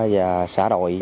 và xã đội